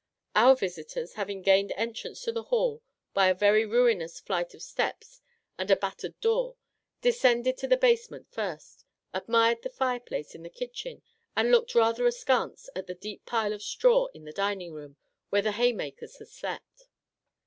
Our visitors, having gained entrance to the hall by a very ruinous flight of steps and a battered door, descended to the basement first, admired the fireplace in the kitchen, and looked rather askance at the deep pile of straw in the dining room, where the haymakers had slept.